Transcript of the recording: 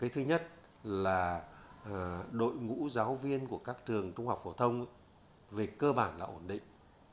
thứ nhất là đội ngũ giáo viên của các trường trung học phổ thông về cơ bản là ổn định